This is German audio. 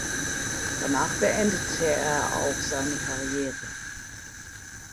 Danach beendete er auch seine Karriere.